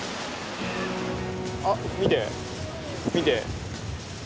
あっ見て見て。